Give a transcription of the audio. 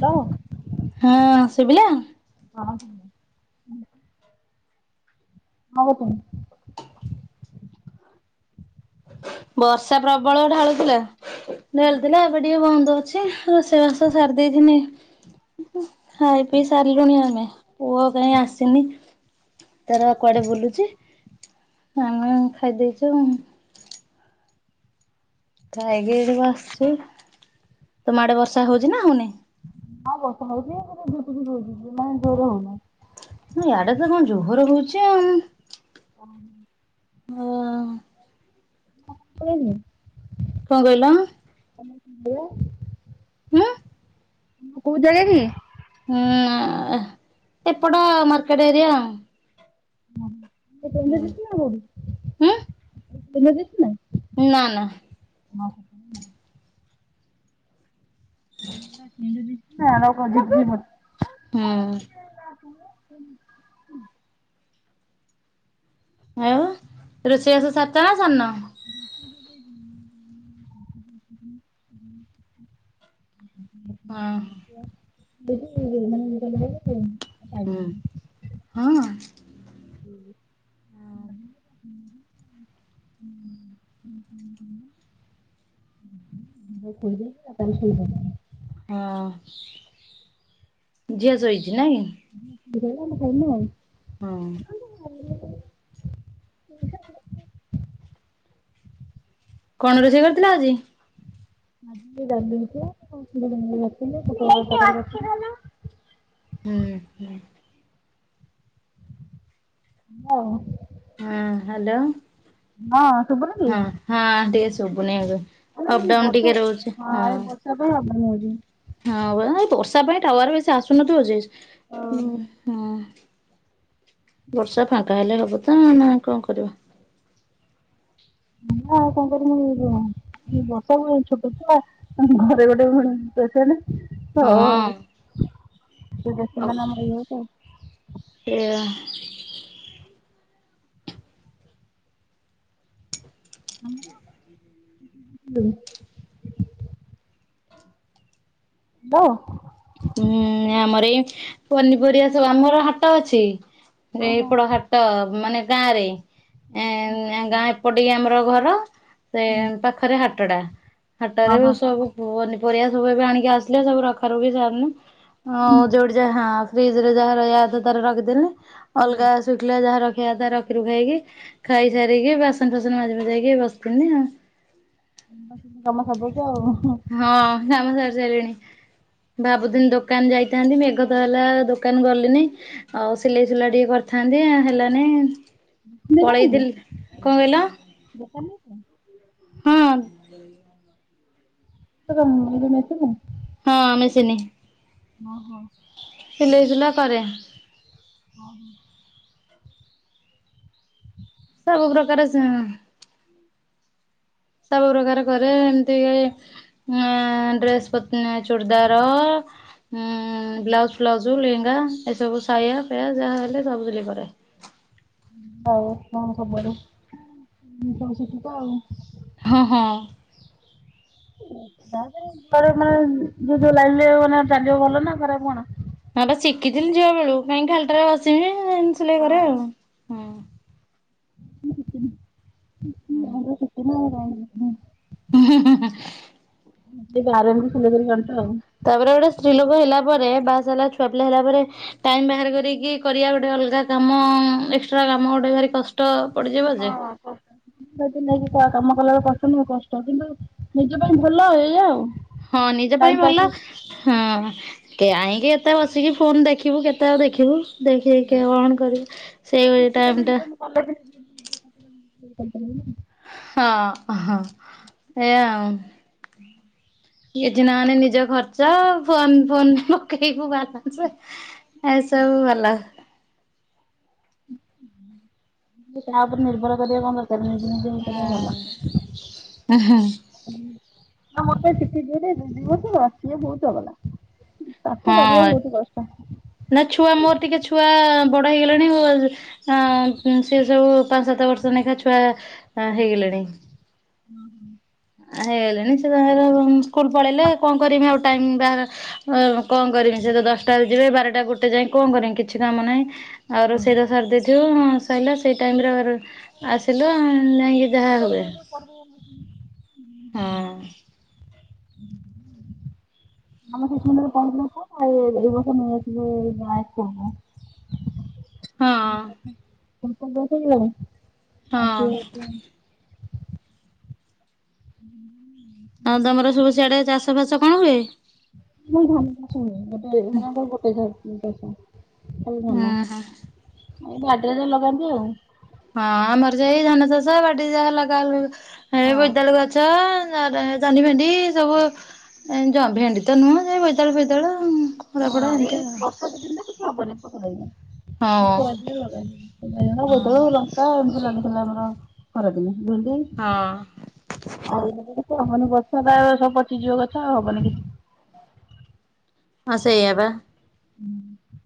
Hello. ହଁ ଶୁଭିଲା। ହଁ। କଣ କହୁଥୁଲୁ। ବର୍ଷା ପ୍ରବଳ ଢାଳୁଥିଲା ଢାଳିଥିଲା ଏବେ ଟିକେ ବନ୍ଦ ଅଛି। ରୋଷେଇବାସ ସାରି ଦେଇେଇଥିନି ଖାଇ ପିଇ ସାରିଲୁଣି ଆମେ। ପୁଅ କାହିଁ ଆସିନି। ତାର କୁଆଡେ ବୁଲୁଛି ଆମେ ଖାଇ ଦେଇଛୁ। ଖାଇକି ଏଠି ବସଛୁ ତମ ଆଡେ ବର୍ଷା ହଉଚି ନା ହଉନି। ହଁ ବର୍ଷା ହଉଛି ଟିକେ ଝିପ୍ ଝିପ୍ ହୋଉଛି ମେ ଜୋର ହଉନାହିଁ। ନାଇଁ ଇଆଡେ ତ କଣ ଜୋହରେ ହଉଛି ଆଉ। [unintelligible] [unintelligible] କଣ କହିଲ? [unintelligible] ହୁଁ। କୋଉ ଜାଗା କି? ହୁଁ ଏପଟ ମାର୍କେଟ ଏରିଆ। [unintelligible] ନାଁ ନାଁ। ହଁ। [unintelligible] ହୁଁ। [inaudible] ଆଉ ରୋଷେଇ ବାସ ସାରିଚ ନା ସାରିନ? [inaudible] [inaudible] ହଁ ହଁ। [inaudible] ହୁଁ, ହଁ। [inaudible] [unintelligible] ହଁ, ଝିଅ ଶୋଇଛି ନାଇଁ? [unintelligible] ହଁ। କଣ ରୋଷେଇ କରିଥିଲ ଆଜି? ଆଜି [unintelligible] ହୁଁ, ହୁଁ। [unintelligible] ହୁଁ ହ୍ୟାଲୋ। ହଁ ହଁ ହଁ ଟିକେ ଶୁଭୁନି ଶୁଭୁନିକି? ଏବେ। ହଁ ଏଇ ଅପଡାଉନ ଟିକେ ବର୍ଷ ରହୁଛି ହଁ [unintelligible] ହଁ ପା ଏ ବର୍ଷା ପାଇଁ ଟାୱାର ବେଶୀ ଆସୁନଥିବ ଯେ। ଉଁ ହଁ। ବର୍ଷା ଫାଙ୍କା ହେଲେ ହବ ତ ନା କଣ କରିବ? ମୁଁ ଆଉ କଣ କରିବି [unintelligible] ବର୍ଷାକୁ ଏ ଛୋଟ ଛୁଆ ପୁଣି ଘରେ ଗୋଟେ ଏ ପେସେଣ୍ଟ। ହଁ [unintelligible] ଏଇଆ। ଆମର। ହ୍ୟାଲୋ। ହୁଁ ଆମର ଏଇ ପନିପରିବା ସବୁ ଆମର ହାଟ ଅଛି। ହଁ ହଁ ଏପଟ ହାଟ ମାନେ ଗାଁ ରେ। ଏଁ ଏ ଗାଁ ଏପଟିକି ଆମର ଘର। ସେ ପାଖରେ ହାଟ ଟା। ହାଟରେ ସବୁ ପନିପରିବା ସବୁ ଏବେ ଆଣିକି ଆସିଲେ। ସବୁ ରଖା ରଖି ଚା ଉଁ ଯୋଉଠି ଯା ଫ୍ରିଜରେ ଯାହା ରହିବା କଥା ରଖିଦେଲେ ଅଲଗା ଶୁଖିଲା ଯାହା ରଖିବା ତା ରଖି ରୁଖାଇକି ଖାଇସାରିକି ବାସନ ଫାସନ ମାଜି ମୁଜାକି ବସିଛନ୍ତିି ଆଉ। ବେ କାମ ସଦଛ ଆଉ [unintelligible] ହଁ କାମ ସାରି ସାରିଲିଣି। ଭାବୁଥିଲି ଦୋକାନ ଯାଇଥାନ୍ତି ମେଘ ତ ହେଲା ଦୋକାନ ଗଲିନି। ଆଉ ସିଲେଇ ସୁଲା ଟିକେ କରିଥାନ୍ତି ହେଲାନି। ଦେଲନି। ପଳେଇଥିଲି। କଣ କହିଲ [unintelligible] ହଁ। ରହ [unintelligible] ହଁ, ମେସିନି। ଅହ। ସିଲେଇ ସୁଲା କରେ। ହଁ ହଁ। ସବୁ ପ୍ରକାର ସେ ସବୁ ପ୍ରକାର କରେ ଏମିତି ହଁ ଡ୍ରେସ୍ ପ ଚୁଡ଼ଦାର ଉଁ ବ୍ଲାଉଜ ଫ୍ଲାଉଜ ଲେହେଙ୍ଗା ଏସବୁ ସାୟା ଫାୟ ଯାହା ହେଲେ ସବୁସିଲେଇ କରେ। ଆଉ କଣ ଖବର? ହ ସବୁ ଶିଖିଛ ଆଉ। ହଁ ହଁ। ମାନେ ଯିଏ ଯୋଉ ଲାଇନ୍ ରେ ଚାଲିବଭଲ ନା ଖରାପ କଣ? ହେଟା ଶିଖିଥିଲି ଝିଅ ବେଳୁ କାହିଁକି ଖାଲିଟାରେ ବସିବି ଏମିତି ସିଲେଇ ହଁ କରେ ଆଉ ହଁ। [unintelligible] ହୁଁଁ ହୁଁ ହୁଁ। ଏଇ [unintelligible] ସିଲେଇ କରି ପାରୁଛ ଆଉ ତାପରେ ଗୋଟେ ସ୍ତ୍ରୀ ଲୋକ ହେଲା ପରେ ବାହା ସାହା ଛୁଆ ପିଲା ହେଲା ପରେ ଟାଇମ ବାହାର କରିକି କରିବା ଗୋଟେ ଅଲଗା କାମ ଏକ୍ସଟ୍ରା କାମ ଗୋଟେ ଭାରି କ ଟ ପଡିଯିବ ଯେ। [unintelligible] [unintelligible] କାମ କଲାବେଳକୁ କଷ୍ଟ ନୁହଁ କଷ୍ଟ କିନ୍ତୁ ନିଜ ପାଇଁ ଭଲ ଏଇଆ ଆଉ। ହଁ ନିଜ ପାଇଁ ଟାଇମ ପାସ୍ ଭଲ। ଆଉ ହଁ କାହିଁକି ଏତେ ବସିକି ଫୋନ ଦେଖିବୁ କେତେଆଉ ଦେଖିବୁ। ଦେଖି ଦେଖିଆ କଣ କରିବୁ ସେ କିଛିଟା ଟାଇମ୍ ଟା [unintelligible] ହଁ ଅହଁ ଏୟା ଆଉ। କିଛି ନହେଲେ ନିଜ ଖର୍ଚ ଫୋନ ଫୋନ ପକେଇବୁ ବାଲାନ୍ସ। ଏସବୁ ଭଲ। କାହା ଉପରେ ନିର୍ଭର କରିବା କଣ ଦରକାର ନିଜେ ନିଜେ ଭିତରେ ଭଲ। ମତେ ସେଠି ଝିଅଟି ଦି ବର୍ଷ ର ସେ ବହୁତ ଚଗଲା। [unintelligible] ତାକୁ ପାରିବା ହଁ ବହୁତ କଷ୍ଟ। ନା ଛୁଆ ମୋର ଟିକେ ଛୁଆ ବଡ ହେଇଗଲେଣି ହଁ ସିଏ ସବୁ ପାଞ୍ଚ ସାତ ବର୍ଷ ଲେଖା ଛୁଆ ହେଇଗଲେଣି। ହୁଁ ହୁଁ। ହେଇଗଲେଣି ସେ ତାଙ୍କର ସ୍କୁଲ ପଳେଇଲେ କଣ କରିବି ଆଉ ଟାଇମ ବାହାର କଣ କରିମିସେ ତ ଦଶଟା ରୁ ଯିବେ ବାରଟା ଗୋଟେ ଯାଏ କଣ କରିମି କିଛି କାମ ନାହିଁ ଆଉ ରୋଷେଇ ରୁଷା ସାରିଦେଇଥିବ ସଇଲା ସେଇ ଟାଇମରେ ଆସିଲ ଯାଇକି ଯାହା [unintelligible] ହୁଏ ଆମ ହଁ ପୁଅ ଶିଶୁ ମନ୍ଦିର ରେ ପଢ଼ୁଥିଲା ପୁଅ ଏଇ ବର୍ଷ ନେଇ ଆସିଲୁ ଗାଁ ସ୍କୁଲ୍ କୁ। ହଁ। ହଁ [unintelligible] ହୁଁ। ଆଉ ତମର ସବୁ ସିଆଡେ ଚାଷ ଫାସ କଣ ହୁଏ? ଆମର ଧାନ ଚାଷ ହୁଏ ଆମର ଗୋଟିଏ ଚାଷ। ଖାଲି ଉଁ ଧାନ ହୁଁ। ଆଉ ବାଡ଼ିରେ ଯାହା ଲଗାନ୍ତି ଆଉ। ହଁ ଆମର ସେ ଏଇ ଧାନ ଚାଷ ବାଡି ଯାହା ଲଗା ହୁଏ ହଁ ବୋଇତି ଆଳୁ ଗ ଛ ଜହ୍ନି ଭେଣ୍ଡି ସବୁ- - ଏ ଜ ଭେଣ୍ଡି ତ ନୁହଁ ଯୋଇ ବୈଦାଳୁ ଫେଦାଳୁ- - ହଁ ଏଇ ବର୍ଷାଦ ଦିନ ତ କିଛି ହବନି [unintelligible] [unintelligible] କାହା ହଁ ଏମିତି ଲାଗୁଥିଲା ହଁ ଆମର ଖରାଦିନି ଭେଣ୍ଡି। ହଁ ଆଉ କିଛି ହବନି ବର୍ଷାଟ ସବୁ ପଚିଯିବ କଥା ଆଉ ହବନି କିଛି। ହ ସେଇଆ ବା। ହୁଁ